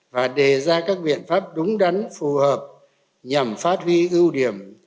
và đề ra các biện pháp đúng đắn phù hợp nhằm phát huy ưu điểm